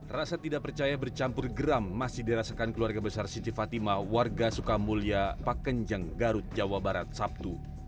rasa tidak percaya bercampur geram masih dirasakan keluarga besar siti fatima warga sukamulya pak kenjang garut jawa barat sabtu